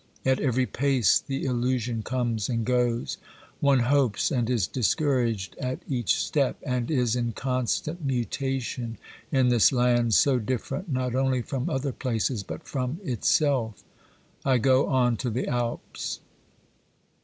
At every pace the illusion comes and goes; one hopes and is discouraged at each step; and is in constant mutation in this land so different not only from other places but from itself. I go on to the Alps.